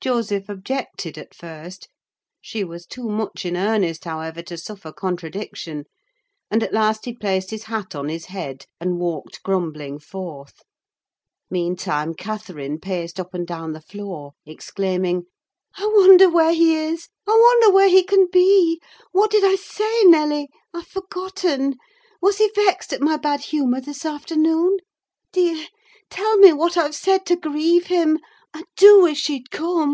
Joseph objected at first; she was too much in earnest, however, to suffer contradiction; and at last he placed his hat on his head, and walked grumbling forth. Meantime, Catherine paced up and down the floor, exclaiming—"I wonder where he is—I wonder where he can be! What did I say, Nelly? I've forgotten. Was he vexed at my bad humour this afternoon? Dear! tell me what I've said to grieve him? I do wish he'd come.